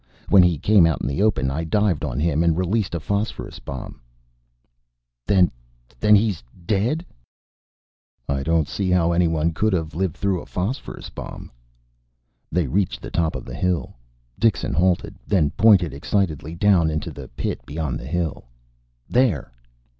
When he came out in the open I dived on him and released a phosphorus bomb." "Then he's dead?" "I don't see how anyone could have lived through a phosphorus bomb." They reached the top of the hill. Dixon halted, then pointed excitedly down into the pit beyond the hill. "There!"